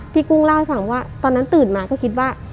กุ้งเล่าให้ฟังว่าตอนนั้นตื่นมาก็คิดว่า